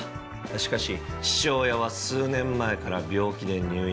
しかし父親は数年前から病気で入院。